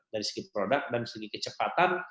dari segi produk dan segi kecepatan